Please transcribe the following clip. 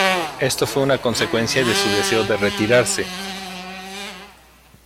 Esto fue una consecuencia de su deseo de retirarse.